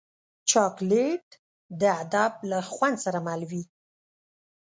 چاکلېټ د ادب له خوند سره مل وي.